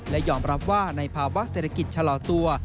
และยอมรับว่าในภาวะเศรษฐกิจชะลอตัว